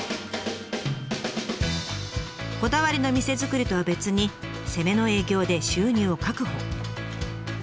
こだわりの店作りとは別に攻めの営業で収入を確保。